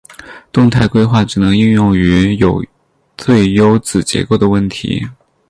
动态规划只能应用于有最优子结构的问题。